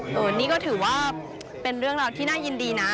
อันนี้ก็ถือว่าเป็นเรื่องราวที่น่ายินดีนะ